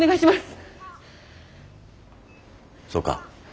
そうか。